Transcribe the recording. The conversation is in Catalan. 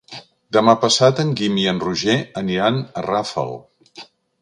Demà passat en Guim i en Roger aniran a Rafal.